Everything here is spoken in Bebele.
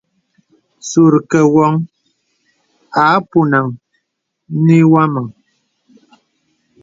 Sùrkə̀ woŋ à ponàn nə iwɔmaŋ.